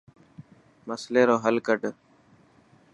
مصلي رو هل ڪڌ.